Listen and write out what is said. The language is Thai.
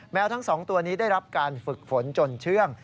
ทั้ง๒ตัวนี้ได้รับการฝึกฝนจนเชื่อง